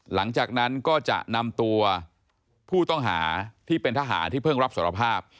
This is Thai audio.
หลังจากนั้นก็จะนำตัวผู้ต้องหาที่เป็นทหารที่เพิ่งรับสารภาพ